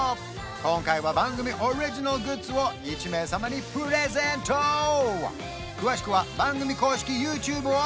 今回は番組オリジナルグッズを１名様にプレゼント詳しくは番組公式ＹｏｕＴｕｂｅをｃｈｅｃｋｉｔｏｕｔ！